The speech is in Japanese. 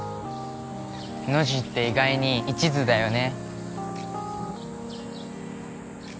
ノジって意外に一途だよね